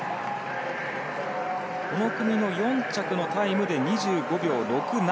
この組の４着のタイムで２５秒６７。